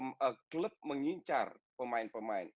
jadi masih banyak klub mengincar pemain pemain